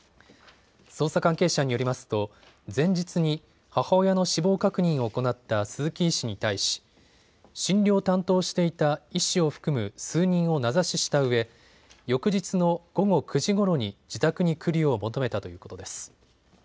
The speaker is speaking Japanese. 捜査関係者によりますと前日に母親の死亡確認を行った鈴木医師に対し診療を担当していた医師を含む数人を名指ししたうえ翌日の午後９時ごろに自宅に来るよう求めたということです。